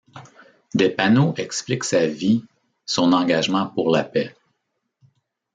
Des panneaux expliquent sa vie son engagement pour la paix.